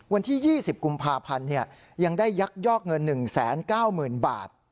วันที่ยี่สิบกุมภาพันธ์เนี้ยยังได้ยักยอกเงินหนึ่งแสนเก้าหมื่นบาท